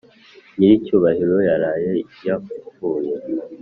nyiricyubahiro yari yapfuye.